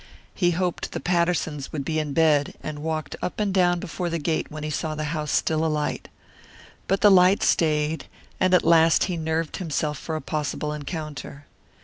He hoped the Pattersons would be in bed, and walked up and down before the gate when he saw the house still alight. But the light stayed, and at last he nerved himself for a possible encounter.